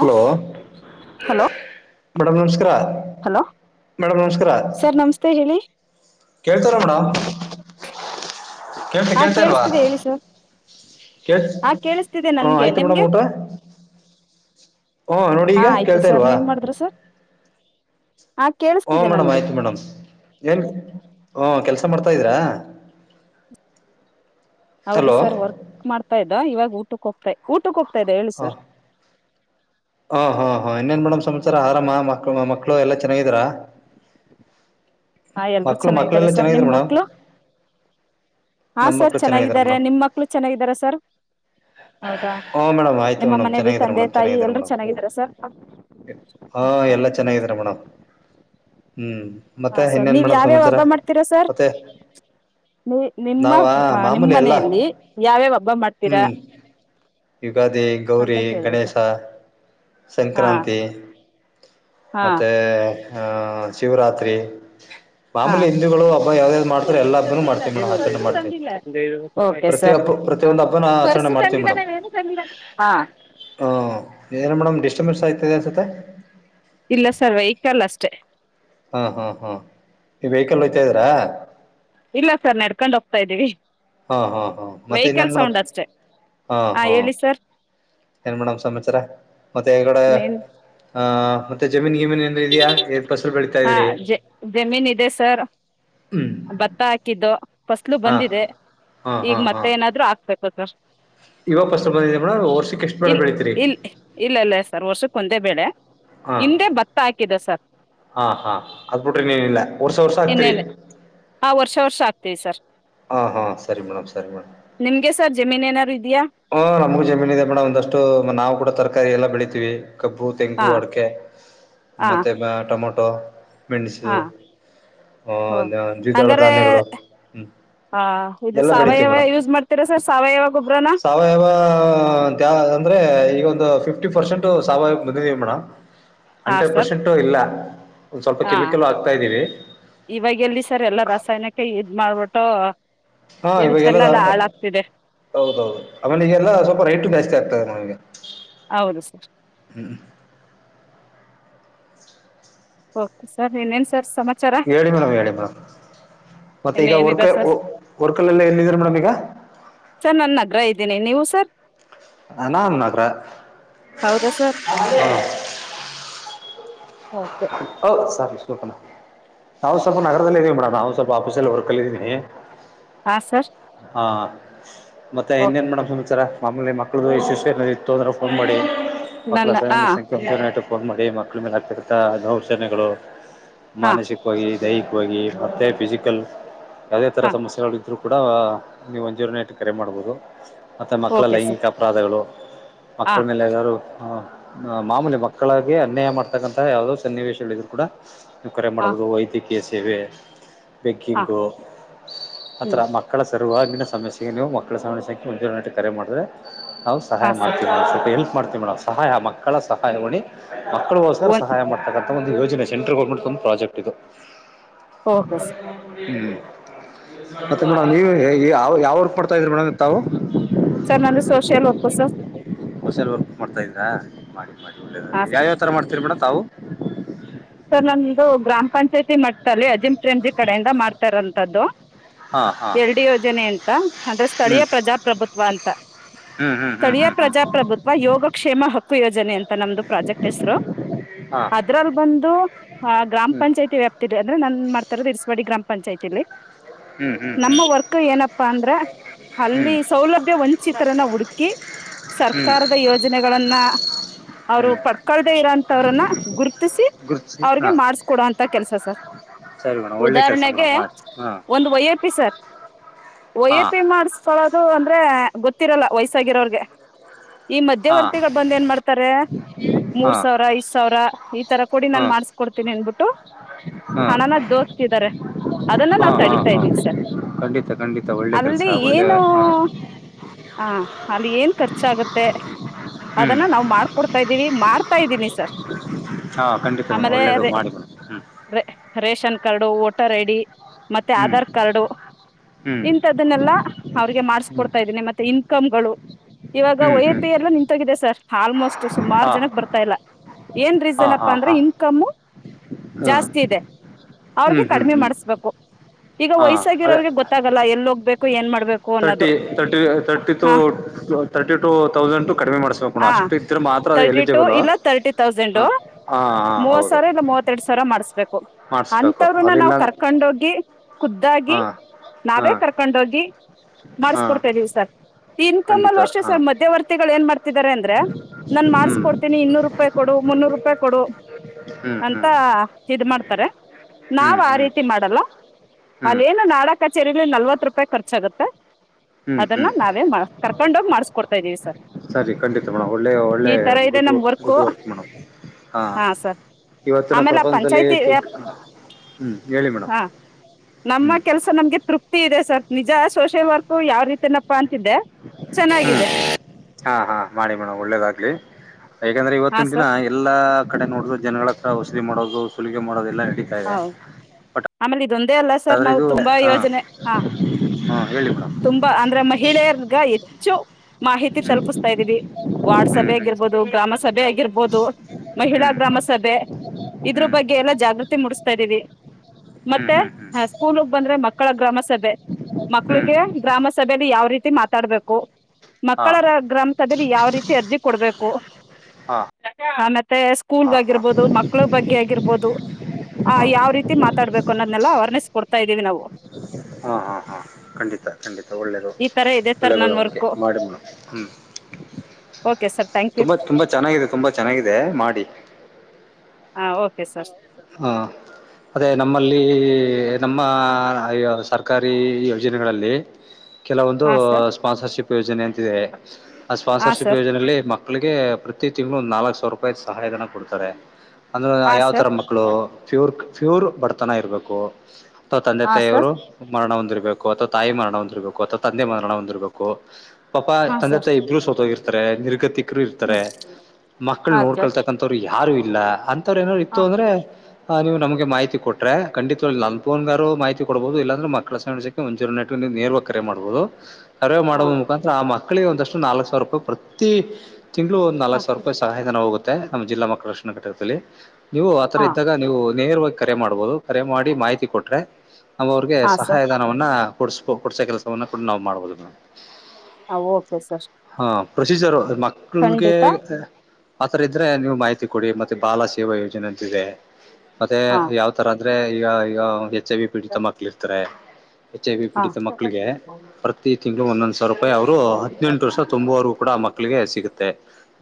Hello hello madam ನಮಸ್ಕಾರ. Hello madam ನಮಸ್ಕಾರ. Sir ನಮಸ್ತೆ ಹೇಳಿ. ಕೇಳ್ತಿರ ಮೇಡಂ ಕೇಳ್ತ ಹಾ ಕೇಳ್ಸ್ತಾಇಲ್ವಾ? ಕೇಳಿಸ್ತಿದೆ ಹೇಳಿ ಸರ್ ಕೆಳ್ ಹಾ ಕೇಳಿಸ್ತಿದೆ ಹಾ ನನ್ಗೆ ಆಯ್ತ ಮೇಡಮ್ ನಿಮ್ಗೆ ಊಟ. ಹ್ಮ್ ನೋಡಿ ಹಾ ಈಗ ಆಯ್ತು ಕೇಳ್ತಾ ಸರ್ ಇಲ್ವಾ? ನೀವ್ ಮಾಡಿದ್ರ ಸರ್ ಹಾ ಹು ಕೇಳಿಸ್ತಿದೆ ಮೇಡಮ್ ನನ್ಗೆ ಆಯ್ತು ಮೇಡಮ್ ಏನ್ ಹು ಕೆಲ್ಸ ಮಾಡ್ತಾ ಇದೀರಾ? ಹೌದು ಹಲೋ ಸರ್ ವರ್ಕ್ ಮಾಡ್ತಾ ಇದ್ದೆ ಇವಾಗ ಊಟಕ್ಕೆ ಹೋಗ್ತೆ ಊಟಕ್ಕೆ ಹೋಗ್ತಾ ಇದ್ದೆ ಹೇಳಿ ಸರ್. ಹಾ ಹಾ ಹಾ ಇನ್ನೇನ್ ಮೇಡಮ್ ಸಮಾಚಾರ ಆರಾಮ ಮಕ್ಳ ಮಕ್ಳು ಎಲ್ಲ ಚೆನ್ನಾಗಿದಾರ? [inaudible] ಹಾ ಎಲ್ರು ಮಕ್ಕಳು ಚೆನ್ನಾಗಿದ್ದಾರೆ ಮಕ್ಕಳೆಲ್ಲ ಸರ್ ನಿಮ್ ಮೇಡಮ್ ಮಕ್ಳು ಹಾ ನಮ್ಮ ಸರ್ ಮಕ್ಕಳು ಚೆನ್ನಾಗಿದ್ದಾರೆ ನಿಮ್ ಮಕ್ಳು ಚೆನ್ನಾಗಿದ್ದಾರ ಸರ್. ಹೌದಾ ಹು ಮೇಡಮ್ ಆಯ್ತು ನಿಮ್ಮ ಮೇಡಂ ಮನೇಲಿ ಚೆನ್ನಾಗಿದ್ದಾರೆ ತಂದೆ ಮೇಡಮ್ ತಾಯಿ ಚೆನ್ನಾಗಿದಾರೆ ಎಲ್ರು ಮೇಡಮ್. ಚೆನ್ನಾಗಿದಾರ ಸರ್ ಹ ಎಲ್ಲಾ ಚೆನ್ನಾಗಿದಾರೆ ಮೇಡಂ ಹ್ಮ್ ಹಾ ಸರ್ ನೀವ್ ಯಾವ್ಯಾವ್ ಹಬ್ಬ ಮಾಡ್ತೀರಾ ಸರ್? ಮತ್ತೆ ನೀ ನಿಮ್ಮ ನಾವ ನಿಮ್ಮ್ ಮಾಮೂಲಿ ಎಲ್ಲಾ ಮನೆಯಲ್ಲಿ ಯಾವ್ಯಾವ್ ಹಬ್ಬ ಮಾಡ್ತೀರ? ಹ್ಮ್ ಯುಗಾದಿ ಗೌರಿ ಕೇಳಿದೆ ಸರ್ ಗಣೇಶ ಹಾ ಸಂಕ್ರಾಂತಿ ಹಾ ಮತ್ತೆ ಆ ಶಿವರಾತ್ರಿ ಹಾ ಮಾಮೂಲಿ ಹಿಂದೂಗಳು ಹಬ್ಬ ಯಾವ್ದ ಯಾವ್ದ್ ಮಾಡ್ತಾರೆ ಏನು ಎಲ್ಲ ಹಬ್ಬನು ತಂದಿಲ್ಲ ಮಾಡ್ತೀವಿ ಮೇಮ್ ಪರ್ಸು ಆಚರಣೆ ಮಾಡ್ತಿವಿ. ತಂದಿಲ್ಲ ಪರ್ಸು ಮಾಡ್ತೀವಿ ತಂದಿಲ್ಲ ಮೇಡಮ್ ನಾನ್ ಏನು ತಂದಿಲ್ಲ. ಹಾ ಏನು ಮೆಡಮ್ ಡಿಸ್ಟರ್ಬೆನ್ಸ್ ಆಯ್ತದೆ ಅನ್ಸುತ್ತೆ. ಇಲ್ಲ ಸರ್ ವೆಹಿಕಲ್ ಅಷ್ಟೇ. ಹಾ ಹಾ ಹಾ ಈಗ್ ವೆಹಿಕಲ್ ಹತ್ತಿದ್ರಾ? ಇಲ್ಲ ಸರ್ ನಡ್ಕೊಂಡ್ ಹೋಗ್ತಾ ಇದ್ದೀವಿ. ಹಾ ಹಾ ಹಾ ಮತ್ತೆ ವೆಹಿಕಲ್ ಇನ್ನೇನ್ ಮೇಡಂ ಸೌಂಡ್ ಅಷ್ಟೇ ಹಾ ಹಾ ಹೇಳಿ ಸರ್ ಏನ್ ಮೇಡಮ್ ಸಮಾಚಾರ ಮತ್ತೆ ಈಗಡೆ ಇನ್ನೇನು ಆ ಮತ್ತೆ ಜಮೀನ್ ಗಿಮೀನ್ ಏನ್ ಇದೆಯಾ ಏನ್ ಫಸಲು ಬೆಳೀತಾ ಹಾ ಇದ್ರಿ ಜ ಜಮೀನ್ ಇದೆ ಸರ್. ಹ್ಮ್ ಭತ್ತ ಹಾಕಿದ್ದು ಫಸ್ಲು ಹಾ ಬಂದಿದೆ ಹಾ ಹಾ ಈಗ್ ಹಾ ಮತ್ತೆ ಏನಾದ್ರು ಹಾಕ್ಬೇಕು ಸರ್. ಇವಾಗ ಫಸ್ಟ್ ಬಂದಿದೆ ಮೇಡಮ್ ವರ್ಷಕ್ಕೆ ಎಷ್ಟು ಬೆಳೆ ಇಲ್ ಬೆಳಿತೀರಿ ಇಲ್ ಇಲ್ಲ ಇಲ್ಲ ಸರ್ ವರ್ಷಕ್ ಒಂದೇ ಬೆಳೆ. ಹಾ ಹಿಂದೆ ಭತ್ತ ಹಾಕಿದ್ದ ಸರ್. ಹಾ ಹಾ ಅದ್ಬಿಟ್ರಿ ಇನ್ನೇನ್ ಇಲ್ಲ ವರ್ಷ ವರ್ಷ ಹಾಕ್ತಿರಿ. ಇನ್ನೇನು ಹಾ ವರ್ಷ ವರ್ಷ ಹಾಕ್ತಿವಿ ಸರ್. ಹಾ ಹಾ ಸರಿ ಮೇಡಮ್ ಸರಿ ಮೇಡಮ್ ನಿಮ್ಗೆ ಸರ್ ಜಮೀನ್ ಏನಾರು ಇದ್ಯಾ? ಹ್ ನಮಗು ಜಮೀನ್ ಇದೆ ಮೇಡಂ ಒಂದಷ್ಟು ನಾವು ಕೂಡ ತರಕಾರಿ ಎಲ್ಲ ಬೆಳೀತೀವಿ ಕಬ್ಬು ಹಾ ತೆಂಗು ಅಡಿಕೆ ಹಾ ಮತ್ತೆ ಗ ಟೊಮೊಟೊ ಮೆಣಸು ಹಾ ಹ ಓ ನ ದ್ವಿಜಳ ಹಂಗಾರೆ ಧಾನ್ಯಗಳು ಹ್ಮ ಹಾ ಇದು ಸಾವಯವ ಯೂಸ್ ಮಾಡ್ತೀರಾ ಸರ್ ಸಾವಯವ ಗೊಬ್ರನ? ಸಾವಯವ ಅಂದ್ರೆ ಈಗ ಒಂದು ಫಿಫ್ಟಿ ಪರ್ಸೆಂಟ್ ಸಾವಯವಕ್ ಬಂದಿದೀವ್ ಮೇಡಂ. ಹಾಂ ಹಂಡ್ರೆಡ್ ಸರ್ ಪರ್ಸೆಂಟು ಇಲ್ಲ ಒಂದ್ ಸ್ವಲ್ಪ ಹಾಂ ಕೆಮಿಕಲ್ಲು ಹಾಗ್ತಾ ಇದೀವಿ ಇವಾಗ ಎಲ್ಲಿ ಸರ್ ಎಲ್ಲ ರಾಸಾಯನಿಕ ಇದ್ ಮಾಡ್ಬಿಟ್ಟು ಹೆಲ್ತ್ ಎಲ್ಲೆಲ್ಲ ಹಾಳಾಗ್ತಿದೆ. ಹೌದೌದ ಅವನಿಗೆಲ್ಲ ಸ್ವಲ್ಪ ರೈಟು ಜಾಸ್ತಿ ಆಗ್ತ ನಮಗೆ ಹೌದ ಸರ್. ಹ್ಮ. ಓಕೆ ಸರ್ ಇನ್ನೇನ ಸರ್ ಸಮ ಹೇಳಿ ಮೇಡಮ್ ಹೇಳಿ ಮೇಡಮ್ ಮತ್ತೆ ಇನ್ನು ಈಗ ಹೊರ್ಕ ಏನಿಲ್ಲ ಸರ್ ಹೊರ್ಕಲ್ಲಲ್ಲ ಎಲ್ಲಿದ್ರ ಮೇಡಮ್ ಈಗ ಸರ್ ನನ್ನ ಅಗ್ರ ಇದ್ದೀನಿ ನೀವು ಸರ್. ಆನಾ ನಾಗ್ರ ಹೌದಾ ಸರ್ ಹ ಓಕೆ. ಹೌದ ಸರ ಸ್ವಲ್ಪ ನಾವು ಸ್ವಲ್ಪ ನಗರದದಲ್ಲಿ ಇದೀವಿ ಮೇಡಮ್ ನಾವು ಸ್ವಲ್ಪ ಆಫೀಸಲ್ಲಿ ವರ್ಕ್ ಅಲ್ಲಿ ಇದ್ದೀನಿ. ಹಾಂ ಸರ್. ಹಾ ಮತ್ತೆ ಇನ್ನೇನ ಓಕೆ ಮೇಡಮ್ ಸರ್ ಸಮಚಾರ. ಮಾಮೂಲ ಮಕ್ಕಳಗು ಯಶಸ್ವನ ಇತ್ತು ಅಂದ್ರೆ ಫೋನ್ ಮಾಡಿ ಮಕ್ಕಳ ನನ್ನ ಸಣ್ಣ ಹಾಂ ಸಂ [unintelligible] ಫೋನ್ ಮಾಡಿ ಮಕ್ಕಳ ಮೇಲೆ ಆಗಿತ್ತ ದೌಷನ್ಯಗಳು ಹಾಂ ಮಾನಸಿಕವಾಗಿ ದೈಹಿಕವಾಗಿ ಮತ್ತೆ ಫಿಸಿಕಲ್ ಯಾವದೇ ಥರ ಹಾಂ ಸಮಸ್ಯೆಗಳ ಇದ್ರೂ ಕೂಡ ನೀವ ಒಂಜೂರನೆಟ್ಟ ಕರೆ ಮಾಡ್ಬೋದು ಮತ್ತು ಮಕ್ಕಳ ಓಕೆ ಸರ್ ಲೈಂಗಿಕ ಅಪರಾಧಗಳು ಮಕ್ಕಳ ಹಾಂ ಮೇಲೆ ಎಲ್ಲರು ಹ ಮಾಮೂಲಿ ಮಕ್ಕಳಾಗಿ ಅನ್ಯಾಯ ಮಾಡ್ತತಕ್ಕಂತ ಯಾವ್ದೋ ಸನ್ನಿವೇಶಗಳಿದ್ರು ಕೂಡ ನೀವ ಕರೆ ಹಾಂ ಮಾಡಬೋದು ವೈದ್ಯಕೀಯ ಸೇವೆ ಹಾಂ ಬೆಕಿಂಗು ಆ ಹ್ಞೂ ಥರ ಮಕ್ಕ ಕಳಸರು ಆಗಿನ ಸಮಸ್ಯೆನು ಮಕ್ಕಳ ಸಮಸ್ಯೆಗೆ ಮುಂಜೂಣಟ್ಟು ಕರೆ ಮಾಡಿದ ಹಾ ಸಹಾಯ ಹಾಂ ಸರ್ ಮಾಡ್ತೀವಿ [unintelligible] ಸ್ವಲ್ಪ ಎಲ್ಪ್ ಮಾಡ್ತೀವಿ ಮೆಡಮ ಸಹಾಯ ಮಕ್ಕಳ ಸಹಾಯ ಮಾಡಿ. ಮಕ್ಕಳಗೋಸ್ಕರ ಒನ್ ಸಹಾಯ ಮಾಡ್ತಕ್ಕಂತ ಒಂದು ಯೋಜನೆ ಸೆಂಟ್ರಲ್ ಗೋರ್ಮೆಂಟ್ ದೊಂದ ಪ್ರಾಜೆಕ್ಟ್ ಇದು. ಓಕೆ ಸರ್ ಹ್ಮ ಮತ್ತ ಹಾ ನೀವ ಹೇಗಿ ಯಾವ ಯಾವ್ರ ಬರ್ತಾ ಇದ್ರ ಮೇಡಮ್ ತಾವು ಸರ್ ನಂದು ಸೋಷಿಯಲ್ ವಕ್ಕೂ ಸರ್. ಹೋಶಿಯಲ್ ವರ್ಕ್ ಮಾಡ್ತಾ ಇದ್ದೀರಾ ಮಾಡಿ ಮಾಡಿ ಒಳ್ಳೇದ ಹಾಂ ಆಗ್ಲಿ ಸರ್ ಯಾವ್ಯವ ಥರ ಮಾಡ್ತೀರಿ ಮೇಡ ತಾವು. ಸರ್ ನಂದು ಗ್ರಾಮ ಪಂಚಾಯಿತಿ ಮಟ್ಟದಲ್ಲಿ ಅಜೀಂ ಪ್ರೆಮಜಿ ಕಡೆಯಿಂದ ಮಾಡ್ತಾರಂಥದ್ದು. ಹಾಂ ಹಾಂ ಎರಡಿ ಯೋಜನೆ ಅಂತ ಅಂದ್ರೆ ಹ್ಞೂ ಸ್ಥಳೀಯ ಪ್ರಜಾಪ್ರಭುತ್ವ ಅಂತ. ಹ್ಞೂ ಹ್ಞೂ ಸ್ಥಳೀಯ ಹ್ಞೂ ಹ್ಞೂ ಪ್ರಜಾಪ್ರಭುತ್ವ ಯೋಗ ಕ್ಷೇಮ ಹಕ್ಕು ಯೋಜನೆ ಅಂತ ನಮ್ದು ಪ್ರಾಜೆಕ್ಟ್ ಹೆಸರು. ಹಾ ದ್ರಲ್ಲಿ ಬಂದು ಅ ಗ್ರಾಮ ಪಂಚಾಯತಿ ವ್ಯಾಪ್ತಿಲಿ ಅಂದ್ರ ನನ್ ಮಾಡ್ತರೋದು ಇರ್ಸವಾಡಿ ಗ್ರಾಮ ಪಂಚಾಯತಿಲಿ. ಹ್ಞೂ ಹ್ಞೂ ನಮ್ಮ ಹ್ಞೂ ವರ್ಕ್ ಏನಪ್ಪಾ ಅಂದ್ರ ಹ್ಞೂ ಅಲ್ಲಿ ಹ್ಞೂ ಸೌಲಭ್ಯ ಒಂಚಿತರನ್ನ ಉಡ್ಕಿ ಸರ್ಕಾರದ ಯೋಜನೆಗಳನ್ನ ಅವ್ರು ಹ್ಞೂ ಪಡ್ಕಳ್ದೇ ಇರೋಂತವ್ರನ್ನ ಗುರ್ತಿಸಿ. ಗುರುತಿಸಿ ಹಾಂ ಮಾಡಸ್ಕೊಡಂತ ಕೆಲಸ ಸರ್ ಸರಿ ಮೇಡಮ್ ಒಳ್ಳೆ ಕೆಲಸ ಉದಾಹರಣೆಗೆ ಮೇಡಮ್ ಮಾಡಿ ಹಾಂ ಒಂದು ವೈಯಪಿ ಸರ್. ಹಾ ವಯಪಿ ಮಾಡಸ್ಕಳೋದು ಅಂದ್ರೆ ಗೊತ್ತಿರಲ್ಲ ವಯಸ್ಸಾಗಿರೋರ್ಗೆ ಈ ಹಾ ಮಧ್ಯವರ್ತಿಗಳ ಬಂದ ಏನ್ ಮಾಡ್ತಾರೆ ಹಾ ಮೂರ್ ಸಾವರ ಐದ್ ಸಾವರ ಈ ತರ ಕೊಡಿ ಹಾ ನಾನ ಮಾಡ್ಸ್ಕೊಡ್ತೀನಿ ಅನ್ಬಿಟ್ಟು ಹಾ ದೋಕ್ತದ್ದಾರೆ. ಅದನ್ನ ಹಾ ನಾವ ಹಾ ತಡಿತಾ ಹಾ ಇದ್ದೀವಿ ಸರ್ ಖಂಡಿತ ಖಂಡಿತ ಒಳ್ಳೆ ಕೆಲಸ ಅಲ್ಲಿ ಒಳ್ಳೆ ಏನು ಹಾ ಆ ಅಲ್ಲಿ ಏನ್ ಖರ್ಚ ಆಗತ್ತೆ. ಹ್ಞೂ ಅದನ್ನ ನಾವ ಮಾಡ್ಕೊಡ್ತಾ ಇದ್ದೀವಿ ಮಾಡ್ತಾ ಇದ್ದೀನಿ ಸರ್. [inaudible] ಹಾ ಹಂದ ಆಮೇಲೆ ರೇ ration card voter I D. ಮತ್ತೆ ಹ್ಞೂ ಆಧಾರ್ ಕಾರ್ಡು. ಹ್ಞೂ ಇಂಥದ್ದನ್ನೆಲ್ಲಾ ಅವ್ರಿಗೆ ಹ್ಞೂ ಮಾಡಸ್ಕೊಡ್ತಾ ಇದ್ದೀನಿ ಮತ್ತೆ ಇನ್ಕಮ್ಗಳು. ಇವಾಗ ಹ್ಞೂ ಹ್ಞೂ ವೈ, ಹ್ಞೂ ಪೈಎಲ್ಲಾ ನಿಂತೋಗಿದೆ ಸರ್ ಆಲ್ಮೋಸ್ಟ್ ಸುಮಾರು ಹಾಂ ಜನಕ್ ಬರ್ತಾ ಇಲ್ಲ. ಏನ್ ಹಾಂ ರೀಸನ್ ಅ ಪ್ಪ ಹಾಂ ಅಂದ್ರೆ ಹಾಂ ಇನ್ಕಮ್ ಹಾಂ ಜಾಸ್ತಿ ಇದೆ ಹ್ಞೂ ಅವ್ರಿಗೆ ಹ್ಞೂ ಕಡಿಮೆ ಹ್ಞೂ ಮಾಡಸ್ಬೇಕು. ಈಗ ಹಾಂ ಅದೇ ವಯಸ್ಸಾಗಿರೋರಿಗೆ ಗೊತ್ತ ಗೊತ್ತಾಗಲ್ಲಾ ಎಲ್ಲಿ ಹೋಗ್ಬೇಕು ಏನ್ ಮಾಡ thirty, thirty, thirty two thirty two thousand ಕಡಿಮೆ ಮಾಡಿಸ್ಬೇಕು. ಹ ಹಾ ಅಷ್ಟು ಇದ್ರೆ ಮಾತ್ರ ಅವನು ಎಲಿಜಿಬಲ್ ತೌಸಂಡು ಮೂವತ್ ಸಾವಿರ ಇಲ್ಲ ಮೂವತ್ತೆರಡು ಸಾವಿರ ಮಾಡಸ್ಬೇಕು. ಮಾಡಿಸ್ಬೇಕು ಅಂವ್ರನ್ನ ನಾವ್ ಅದಿಲ್ಲ ಕರ್ಕೊಂಡೋಗಿ ಖುದ್ದಾಗಿ ಹಾಂ ನಾವೇ ಹಾಂ ಕರ್ಕೊಂಡೋಗಿ ಹಾಂ ಮಾಡ್ಸ್ಕೊಡ್ತೀವಿ ಸರ್ ಇನ್ಕಮ್ ಖಂಡಿತ ಅಲ್ಲು ಅಷ್ಟೇ ಹಾಂ ಸರ್ ಮಧ್ಯ ವರ್ಥಿ ವರ್ಥಿಗಳು ಏನ್ ಮಾಡ್ತಿದ್ದಾರೆ ಅಂದ್ರೆ ನಾನ್ ಹ್ಮ್ ಮಾಡಸ್ಕೊಡ್ತೀನ ಇನ್ನೂ ರೂಪಾಯಿ ಕೊಡು, ಮುನ್ನೂರು ರೂಪಾಯಿ ಕೊಡು ಹ್ಮ್ ಹ್ಮ್ ಅಂತ ಹ್ಮ್ ಇದ ಮಾಡ್ತಾರೆ. ನಾವ್ ಆ ಹ್ಮ್ ರೀತಿ ಮಾಡಲ್ಲ ಅಲ್ಲೇನು ನಾಡ ಕಚೇರಿಗೆ ನಲ್ವತ್ ರೂಪಾಯಿ ಕರ್ಚಾಗುತ್ತೆ. ಹ್ಮ್ ಹ್ಮ್ ಅದನ್ನ ಹ್ಮ್ ನಾವೇ ಕರ್ಕೊಂಡೋಗಿ ಮಾಡ್ಸ್ಕೊಡ್ತಾ ಇದ್ದೀವಿ ಸರ್. ಸರಿ ಖಂಡಿತ ಮೇಡಮ್ ಒಳ್ಳೆಯ ಈ ಒಳ್ಳೆ ತರ ಇದೆ ಗುಡ್ ನಮ್ ವರ್ಕು ಗುಡ್ ವರ್ಕ್ ಮೇಡಮ್. ಹಾ, ಇವತ್ತಿನ ಆಮೇಲೆ ಆ ಪ್ರಪಂಚದಲ್ಲಿ ಪಂಚಾಯತಿ ಹ್ಮ್, ಹೇಳಿ ಮೇಡಮ್ ಹಾ ನಮ್ಮ ಹ್ಮ್ ಕೆಲ್ಸ ನಮ್ಗೆ ತೃಪ್ತಿ ಇದೆ ಸರ್, ನಿಜ ಸೋಷಿಯಲ್ ವರ್ಕ್ ಯಾವ ರೀತ ನಪ್ಪಾ ಅಂತಿದ್ದೆ. ಹ್ಮ್, ಚೆನ್ನಾಗಿದೆ ಹ್ಮ್ ಹಾ, ಹಾ ಮಾಡಿ ಮೇಡಮ್ ಒಳ್ಳೇದಾಗ್ಲಿ ಏಕಂದ್ರೆ ಹಾ ಇವತ್ತಿನ ದಿನ ಸರ್ ಎಲ್ಲಾ ಕಡೆ ನೋಡ್ರು ಜನಗಳತ್ರ ಔಷದಿ ಮಾಡೋದು. ಸುಲಿಗೆ ಮಾಡೋದು ಎಲ್ಲಾ ಹೇಳಿ ಹೌದ, ಆಮೇಲೆ ಇದೊಂದೇ ಅಲ್ಲ ಸರ್ ಆದ್ರೆ ನಾವು ಇದು ತುಂಬಾ ಹಾ ಯೋಜನೆ ಹಾ, ಹಾ ಹೇಳಿ ಮೇಡಮ್ ತುಂಬಾ ಅಂದ್ರೆ ಮ ಮಹಿಳೆಯರ್ಗ ಹೆಚ್ಚು ಮಾಹಿತಿ ಹ್ಮ್ ತಲುಪಿಸ್ತಾ ಇದೀವಿ. ವಾರ್ಡ್ ಸಭೆ ಆಗಿರ್ಬೋದು, ಗ್ರಾಮ ಸಭೆ ಆಗಿರ್ಬೋದು, ಮಹಿಳಾ ಹ್ಮ್ ಹ್ಮ್ ಗ್ರಾಮ ಸಭೆ. ಹ್ಮ್ ಇದ್ರ ಬಗ್ಗೆ ಹ್ಮ್ ಎಲ್ಲಾ ಜಾಗೃತಿ ಮೂಡಸ್ತಾ ಇದೀವಿ. ಹ್ಮ್ ಮತ್ತೆ ಹ್ಮ್ ಹಾ, ಸ್ಕೂಲಗ್ ಬಂದ್ರೆ ಮಕ್ಕಳ ಗ್ರಾಮ ಸಭೆ. ಹ್ಮ್ ಹ್ಮ್ ಮಕ್ಳಿಗೆ ಗ್ರಾಮ ಸಭೆಯಲ್ಲಿ ಯಾವ ರೀತಿ ಮಾತಾಡ್ಬೇಕು. ಹಾ ಮಕ್ಕಳ ಗ್ರಾಮ ಸದಲ್ಲಿ ಯಾವ ರೀತಿ ಅರ್ಜಿ ಕೊಡ್ಬೇಕು. ಹಾ ಆ ಮತ್ತೆ ಸ್ಕೂಲ್ಗ ಹಾ ಹಾ ಆಗಿರ್ಬೋದು ಮಕ್ಕಳ ಬಗ್ಗೆ ಆಗಿರ್ಬೋದು. ಹಾ, ಯಾವ ರೀತಿ ಮಾತಾಡ್ಬೇಕು ಅನ್ನೋದನ್ನೆಲ್ಲ ಅವರ್ನೆಸ್ ಕೊಡ್ತಾ ಇದ್ದೀವಿ ನಾವು. ಹಾ, ಹಾ, ಹಾ ಖಂಡಿತ, [unintelligible] ಖಂಡಿತ ಒಳ್ಳೆಯದು ಈ ತರ ಇದೆ ಸರ್ ನನ್ ಒಳ್ಳೆದೊಳವಣಿಗೆ ವರ್ಕ್ ಮಾಡಿ ಮಾಡು ಹ್ಞ ಓಕೆ ಸರ್ ತ್ಯಾಂಕ್ ಯು ಚೆನ್ನಾಗಿದೆ. ತುಂಬಾ ಚೆನ್ನಾಗಿದೆ ಮಾಡಿ ಹಾ, ಓಕೆ ಸರ್ ಹಾ, ಅದೇ ನಮ್ಮಲ್ಲಿ ನಮ್ಮ ಸರ್ಕಾರಿ ಯೋಜನೆಗಳಲ್ಲಿ ಕೆಲವೊಂದು ಹಾ ಸರ್ ಸ್ಪಾನ್ಸರ್ಶಿಪ್ ಯೋಜನೆ ಅಂತಿದೆ ಆ ಹಾ ಸ್ಪಾನ್ಸರ್ಶಿಪ್ ಸರ್ ಯೋಜನೆಯಲ್ಲಿ ಮಕ್ಕಳ ಮಕ್ಕಳಿಗೆ ಪ್ರತಿ ತಿಂಗಳು ಒಂದು ನಾಲ್ಕಕ್ ಸಾವಿರ ರೂಪಾಯಿ ಸಹಾಯನ ಕೊಡ್ತಾರೆ. ಅಂದ್ರ ಹಾ ಯಾವ್ ಸರ್ ತರ ಮಕ್ಕಳ ಮಕ್ಕಳು ಚೂರಕ-ಚೂರ್ ಬಡತನ ಇರ್ಬೇಕು ಅಥವಾ್ ತಂದೆ- ಹಾ ಸರ್ ತಾಯಿಯವರು. ಮರಣ ಒಂದಿರ್ಬೇಕು ಅಥವಾ ತಾಯಿ ಮರಣ ಒಂದಿರ್ಬೇಕು ಅಥವಾ ತಂದೆ ಮರಣ ಒಂದಿರ್ಬೇಕು. ಪಾಪಾ ಹಾ ತಂದೆ ಸರ್ -ತಾಯಿ ಇಬ್ಬರು ಸತ್ತೋಗಿರ್ತಾರೆ. ನಿರ್ಗತಿಕರು ಇರ್ತಾರೆ ಹ್ಮ್ ಮಕ್ಕಳ ಹಾ ಸರ್ ನೋಡ್ಕೊಳ್ತ ಅಂತವ್ರು ಯಾರು ಇಲ್ಲ ಅಂತವ್ರು ಏನೋರು ಇತ್ತು ಹಾ ಅಂದ್ರೆ ಹ, ನೀವು ನಮ್ಗೆ ಮಾಹಿತಿ ಕೊಟ್ಟ್ರೆ ಖಂಡಿತವಾಗಿ ನನ್ ಪೋನಗಾರು ಮಾಹಿತಿ ಕೊಡ್ಬಹುದು. ಇಲ್ಲಂದ್ರೆ ಮಕ್ಕಳ ಸಕ್ಕೆ ಒಂದಚೂರ ನೆಟ [unintelligible] ನೇರ್ವ ಕರೆ ಮಾಡ್ಬಹುದು ಸರ್ವೆೇ ಹಾ ಮಾಡೋದ ಅಂತಂದ್ರಆ ಮಕ್ಕಳಿಗೆ ಒಂದಷ್ಟು ನಾಲ್ಕು ಸಾವಿರ ರೂಪಾಯಿ ಪ್ರತಿ ತಿಂಗಳು ಒಂದು ಹಾ ನಾಲ್ಕು ಸಾವಿರ ರೂಪಾಯಿ ಸಹಾಯಧನ ಹೋಗುತ್ತೆ. ನಮ್ಮ ಜಿಲ್ಲಾ ಮಕ್ಕಳ ಶಿಕ್ಷಣ ಘಟ್ಟಕದಲ್ಲಿ ನೀವು ಆ ತರ ಹಾ ಗ ನೀವು ನೇರವಾಗಿ ಕರೆ ಮಾಡ್ಬಹುದು. ಕರೆ ಮಾಡಿ ಮಾಹಿತಿ ಕೊಟ್ರೆ ನಾವು ಅವ್ರಿಗೆ ಹಾ ಸರ್ ಸಹಾಯಧನ ಅವ್ನಕೊಡ್ ಕೊಡ್ಸ ಕೆಲಸವನ್ನ ಕ ನಾವ್ ಮಾಡ್ಬೋದ. ಹಾ, ಓಕೆ ಸರ್ ಹಾ, ಪ್ರೊಸೀಜರ್ ಮಕ್ಳಿಗೆ ಖಂಡಿತ ಆತರ ಇದ್ರೆ ನೀವು ಮಾಹಿತಿ ಕೊಡಿ ಮತ್ತೆ' ಬಾಲ ಸೇವಾ ಯೋಜನೆ 'ಅಂತಿದೆ. ಮತ್ತೆ ಹಾ ಯಾವ ತರ ಅಂದ್ರೆ ಈಗ- ಈಗ ಎಚ್, ಚಾ, ವಿ ಪೀಡಿತ ಮಕ್ಕಳ ಇರ್ತಾರೆ. ಎಚ್, ಐ, ವಿ ಹಾ ಪೀಡಿತ ಮಕ್ಕಳಿಗೆ ಪ್ರ ಪ್ರತಿ ತಿಂಗಳು ಒಂದೊಂದು ಸಾವಿರ ರೂಪಾಯಿ ಅವ್ರು ಹದಿನೆಂಟು ವರ್ಷ ತುಂಬುವರೆಗೂ ಕೂಡ ಆ ಮಕ್ಕಳಿಗೆ ಸಿಗುತ್ತೆ.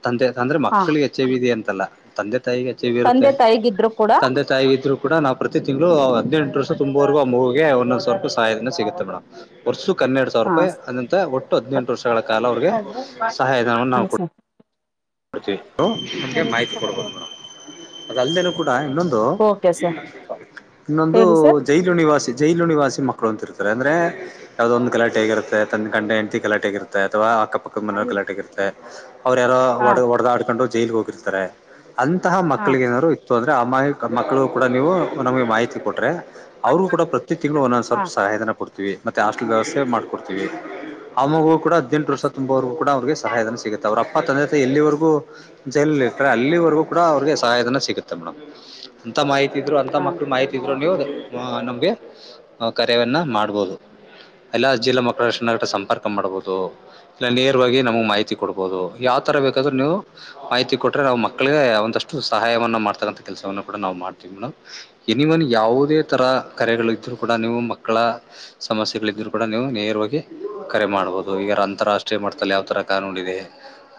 ತಂದೆ, ಅಂದ್ರೆ ಹಾ ಮಕ್ಕಳಿಗೆ ಎಚ್, ಐ, ವಿ ಇದೆಅಂತಲ್ಲ ತಂದೆ ತಾಯಿಗೆ ಎಚ್ ಐ ವಿ ತಂದೆ- ಇರುತ್ತೆ ತಾಯಿಗಿದ್ರು ಕೂಡ ತಂದೆ -ತಾಯಿಗಿದ್ರು ಕೂಡ ನಾವು ಪ್ರತಿ ತಿಂಗಳು ಹದಿನೆಂಟು ವರ್ಷ ತುಂಬವರೆಗೂ ಆ ಮಗುವಿಗೆ ಒಂದುವರೆ ಸಾವಿರ ಸಹಾಯದನ ಸಿಗುತ್ತೆ ಮೇಡಮ್. ವರ್ಷಕ್ಕೆ ಹನ್ನೆರಡು ಸಾವಿರ ರೂಪಾಯಿ ಆದಂತ, ಒಟ್ಟು ಹದಿನೆಂಟು ವರ್ಷಗಳ ಕಾಲ ಅವ್ರಿಗೆ ಸಹಾಯಧನವನ್ನು ನಾವು ಕೊಡ್ತೀವಿ. ಅ ಮಾಹಿತಿ ಕೊಡಬೇಕ ಹಾ ಮೇಡಂ - ಅದ ಅಲ್ದೇಲೂ ಕೂಡ ಇನ್ನೊಂದು ಓಕೆ ಸರ್ ಇನ್ನೊಂದು ಹೇಳಿ ಸರ್ ಜೈಲು ನಿವಾಸಿ, ಜೈಲು ನಿವಾಸಿ ಮಕ್ಕಳು ಅಂತಿರ್ತಾರೆ. ಅಂದರೆ ಯಾವ್ದೋ ಒಂದು ಕಲಾಟೆಗಿರುತ್ತೆ. ಗಂಡ ಹೆಂಡ್ತಿ ಕಲಾಟ ಆಗಿರತ್ತೆ ಅಥವಾಅಕ್ಕ-ಪಕ್ಕಾ ಹಾ ಮನೆಯಲ್ಲಿ ಗಲಾಟೆ ಆಗಿರುತ್ತೆ ಅವ್ರ ಯಾರೋ ಒಡ -ಒಡ್ದಾಡ್ಕೋಂಡ ಜೈಲ್ಗೆ ಹೋಗಿರ್ತಾರೆ. ಅಂತಹ ಹಾ ಮಕ್ಕಳಿಗ ಏನಾದಾರು ಇತ್ತು ಅಂದ್ರೆ ಅಮಾಯಕಮಕ್ಕಳುಕೂಡ ನೀವು ನಮ್ಗೆ ಮಾಹಿತಿ ಕೊಟ್ರೆ, ಅವ್ರು ಕೂಡ ಪ್ರತಿ ತಿಂಗಳು ಒಂದೊಂದ ಹಾ ಸ್ವಲ್ಪ ಸಹಾಯಧನ ಕೊಡ್ತ ಮತ್ತೆ ಹಾಸ್ಟೆಲ್ ವ್ಯವಸ್ಥೆ ಮಾಡ್ಕೊಡ್ತೀವಿ ಆ ಮಗು ಕೂಡ ಹದಿನೆಂಟು ಹಾ ವರ್ಷ ತುಂಬುವರೆಗು ಕೂಡ ಅವ್ರಿಗೂ ಸಹಾಯಧನ ನೋಡ್ತೀವಿ. ಅವ್ರರಪ್ಪ [unintelligible] ಎಲ್ಲಿವರೆಗೂ ಜೈಲಲ್ಲಿ ಇಟ್ಟೆ ಅಲ್ಲಿವರೆಗೂ ಕೂಡ ಅವ್ರಿಗೆ ಸಹಾಯದನ ಸಿಗುತ್ತೆ ಮೇಡಮ್. ಅಂತ ಮಾಹಿತಿ ಇದ್ರು ಅಂತ ಮಕ್ಳು ಮಾಹಿತಿ ಇದ್ರು ನೀವು ನಮ್ಗೆ ಕರೆಯವನ್ನ ಮಾಡ್ಬೋದು ಎಲ್ಲಾಜಿಲ್ಲಾ ಮಕ್ಕಳ ಸಂಗಟ ಸಂಪರ್ಕ ಮಾಡ್ಬೋದು. ಇಲ್ಲ ನೇರ್ವಾಗಿ ನಮ್ಗ್ ಮಾಹಿತಿ ಕೊಡ್ಬೋದು. ಯಾವ್ ತರ ಬೇಕಾದ್ರುನೀವು ಮಾಹಿತಿ ಕೊಟ್ರೆ, ನಾವು ಮಕ್ಕಳಿಗೆ ಒಂದಷ್ಟು ಸಹಾಯಧನವನ್ನ ಮಾಡ್ತಕ್ಕಂತಹ ಕೆಲಸವನ್ನು ಕೂಡ ನಾವ್ ಮಾಡ್ತೀವಿ ಮೇಡಮ್. ಎನಿವನ್ ಯಾವುದೇ ತರ ಕರೆಗಳು ಇದ್ರು ಕೂಡ ನೀವು ಮಕ್ಕಳ ಸಮಸ್ಯೆಗಳಿದ್ದರು ಕೂಡ ನೀವು ನೇರವಾಗಿ ಕರೆ ಮಾಡ್ಬೋದು. ಈಗಾರ ಅಂತಾರಾಷ್ಟ್ರೀಯ ಮಟ್ಟದಲ್ಲಿ ಯಾವ ಥರ ಕಾನೂನಿದೆ.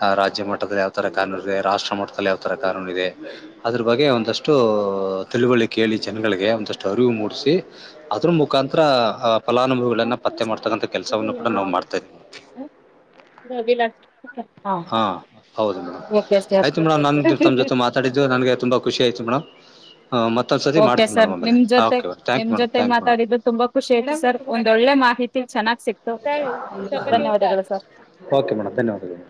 ಆ ರಾಜ್ಯ ಮಟ್ಟದಲ್ಲಿ ಯಾವ್ ತರ ಕಾನೂನು ಇದೆ. ರಾಷ್ಟ್ರ ಮಟ್ಟದಲ್ಲಿ ಯಾವ್ ತರ ಕಾನೂನು ಇದೆ. ಅದ್ರ ಬಗ್ಗೆ ಒಂದಷ್ಟು ತಿಳುವಳಿಕೆ ಕೇಳಿ ಜನಗಳಿಗೆ ಒಂದಷ್ಟು ಅರಿವು ಮೂಡಿಸಿ ಅದ್ರ ಮುಖಾಂತರ ಫಲಾನುಭವಿಗಳಗಳನ್ನು ಪತ್ತೆ ಮಾಡತಕಂತ ಕೆಲಸವನ್ನು ಕೂಡ ನಾವು ಮಾಡ್ತಾ ಇದೀವಿ. ಹ ಗಬಿಲ್ಲಷ್ಟ [inaudible] ಹಾ, ಹೌದು ಮೇಡಮ್ ಓಕೆ ಸರ್ ಆಯ್ತು ಮೇಡಮ್ ನ ತಮ್ಮ್ ಜೊತೆ ಮಾತ ಡು ನನಗೆ ತುಂಬಾ ಖುಷಿ ಆಯತು ಮೇಡಮ್ ಮತ್ತೊಂದ್ಸತಿ ಓಕೆ ಮಾಡ್ತೀನಿ ಸರ್ ಮೇಡಮ್ ಆಮೇಲೆ ನಿಮ್ ಜೊತೆ ಓಕೆ ಮೇಡಮ್, ಥ್ಯಾಂಕ್ ನಿಮ್ ಯು ಮೇಡಮ್ ಜೊತೆ ಥ್ಯಾಂಕ್ ಯು ಮೇಡಮ್ ಮಾತಾಡಿದು ತುಂಬಾ ಖುಷಿ ಆಯ್ತು ಸರ್ ಒಂದಳ್ಳೆ ಮಾಹಿತಿ ಚೆನ್ನಾಗ್ ಸಿಕ್ತು ಹ್ಞೂ, ಧನ್ಯವಾದಗಳು ಸರ್. - ಓಕೆ ಮೇಡಮ್ ಧನ್ಯವಾದಗಳು.